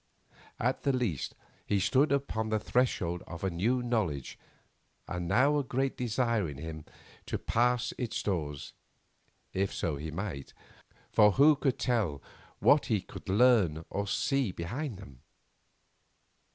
At the least he stood upon the threshold of a new knowledge, and now a great desire arose in him to pass its doors, if so he might, for who could tell what he would learn or see behind them?